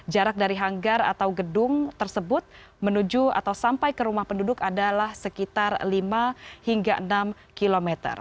jarak dari hanggar atau gedung tersebut menuju atau sampai ke rumah penduduk adalah sekitar lima hingga enam km